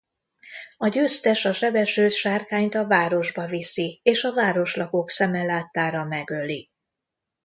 A győztes a sebesült sárkányt a városba viszi és a városlakók szeme láttára megöli.